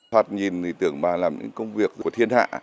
thoạt nhìn thì tưởng bà làm những công việc của thiên hạ